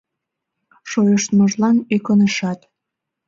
Шойыштмыжлан ӧкынышат.